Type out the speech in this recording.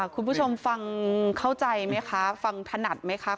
คุณผู้ชมฟังเข้าใจไหมคะฟังถนัดไหมคะ